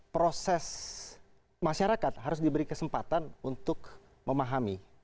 proses masyarakat harus diberi kesempatan untuk memahami